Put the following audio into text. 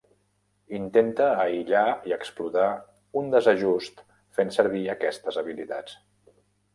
Intenta aïllar i explotar un desajust fent servir aquestes habilitats.